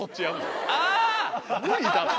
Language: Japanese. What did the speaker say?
無理だって。